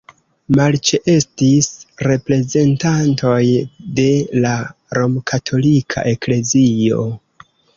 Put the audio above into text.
Malĉeestis reprezentantoj de la romkatolika eklezio.